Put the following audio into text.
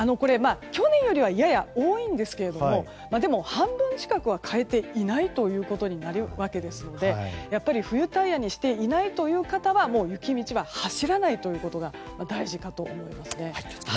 去年よりはやや多いんですけれども半分近くは変えていないということになるわけですので冬タイヤにしていないという方は雪道は走らないということが大事かと思いますね。